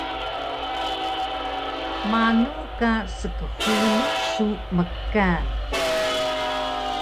Manu ka skxulun su mkan?